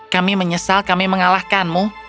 kami menyesal kami mengalahkanmu